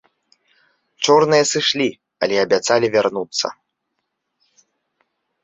Чорныя сышлі, але абяцалі вярнуцца.